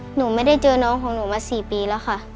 หนูไม่ได้เจอน้องของหนูมา๔ปีแล้วค่ะ